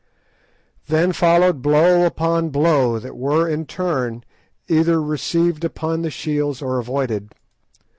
Then followed blow upon blow, that were, in turn, either received upon the shields or avoided.